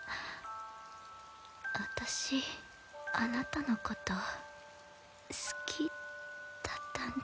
はっ私あなたのこと好きだったんだ。